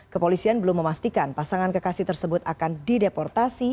kepolisian belum memastikan pasangan kekasih tersebut akan dideportasi